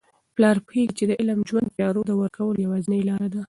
پلار پوهیږي چي علم د ژوند د تیارو د ورکولو یوازینۍ لاره ده.